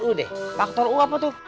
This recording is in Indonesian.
udah faktor uapotu